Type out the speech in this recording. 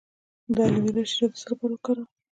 د الوویرا شیره د څه لپاره وکاروم؟